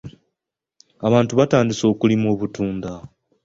Abantu batandise okulima obutunda.